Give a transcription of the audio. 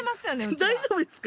大丈夫ですか？